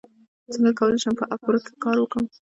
څنګه کولی شم په اپ ورک کې کار پیدا کړم